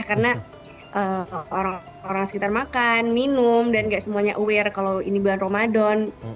karena orang sekitar makan minum dan nggak semuanya aware kalau ini bulan ramadan